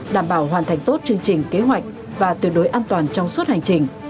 đảm bảo hoàn thành tốt chương trình kế hoạch và tuyệt đối an toàn trong suốt hành trình